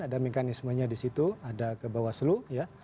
ada mekanismenya di situ ada ke bawah selu ya